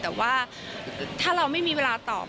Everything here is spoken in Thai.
แต่ว่าถ้าเราไม่มีเวลาตอบ